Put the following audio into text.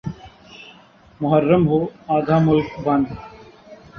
محرم ہو آدھا ملک بند۔